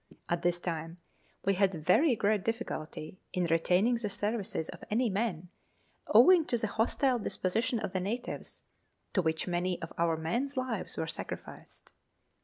At this time we had very great difficulty in retaining the services of any men, owing to the hostile disposition of the natives, to which many of our men's lives were sacrificed.